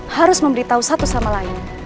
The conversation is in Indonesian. harus memberitahu satu sama lain